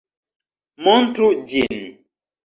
Montru ĝin!